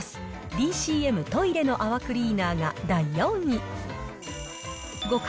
ＤＣＭのトイレの泡クリーナーです。